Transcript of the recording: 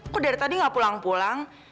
kok dari tadi gak pulang pulang